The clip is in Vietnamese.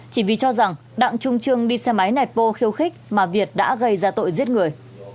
chỉ vì cho rằng đặng trung trương đi xe máy nẹt vô khiêu khích mà việt đã gây ra tội giết người